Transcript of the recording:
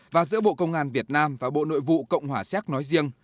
và giữa bộ công an việt nam và bộ nội vụ cộng hòa séc nói riêng